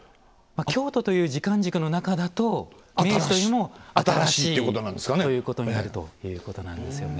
京都という時間軸の中だと明治というのは新しいことになるということなんですよね。